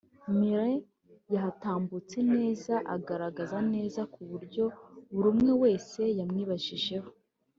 Miley yahatambutse neza agaragara neza ku buryo buri umwe wese yamwibajijeho